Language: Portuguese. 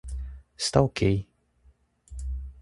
Está ok